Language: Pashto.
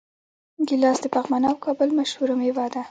ګیلاس د پغمان او کابل مشهوره میوه ده.